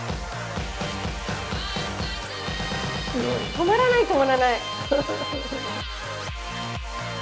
止まらない止まらない。